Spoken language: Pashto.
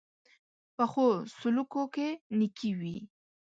پخو سلوکو کې نېکي وي